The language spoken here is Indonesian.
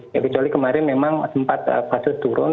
ya kecuali kemarin memang sempat kasus turun